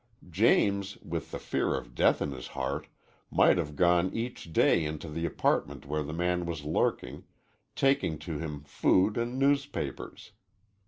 James, with the fear of death in his heart, might have gone each day into the apartment where the man was lurking, taking to him food and newspapers.